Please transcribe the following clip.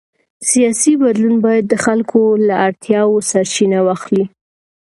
سیاسي بدلون باید د خلکو له اړتیاوو سرچینه واخلي